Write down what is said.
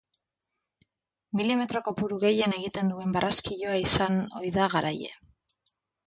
Milimetro kopuru gehien egiten duen barraskiloa izan ohi da garaile.